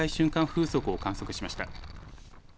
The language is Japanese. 風速を観測しました。